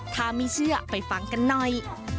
ถ้าไม่เชื่อไปฟังกันหน่อย